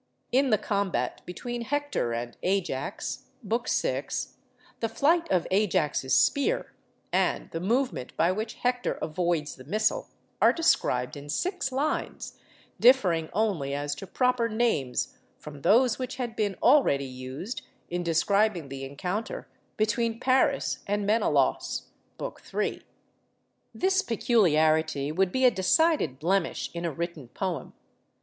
In the combat between Hector and Ajax (Book VI.), the flight of Ajax's spear and the movement by which Hector avoids the missile, are described in six lines, differing only as to proper names from those which had been already used in describing the encounter between Paris and Menelaus (Book III.). This peculiarity would be a decided blemish in a written poem.